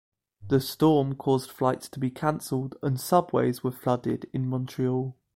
The storm caused flights to be canceled, and subways were flooded in Montreal.